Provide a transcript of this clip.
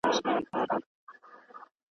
o يار د يار له پاره خوري د غوايي غوښي.